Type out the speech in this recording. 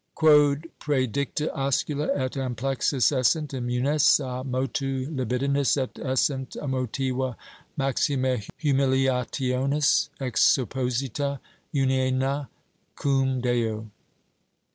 Quod praedicta oscula et amplexus essent immunes a motu libidinis et essent motiva maximae humiliationis ex supposita unione cum Deo.